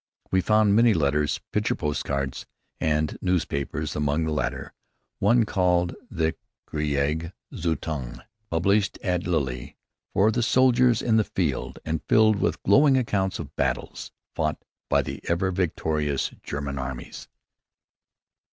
We found many letters, picture post cards, and newspapers; among the latter, one called the "Krieg Zeitung," published at Lille for the soldiers in the field, and filled with glowing accounts of battles fought by the ever victorious German armies.